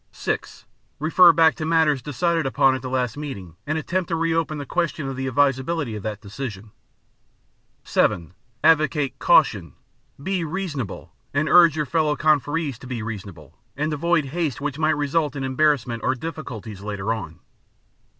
(6) Refer back to matters decided upon at the last meeting and attempt to re open the question of the advisability of that decision. (7) Advocate "caution." Be "reasonable" and urge your fellow conferees to be "reasonable" and avoid haste which might result in embarrassments or difficulties later on.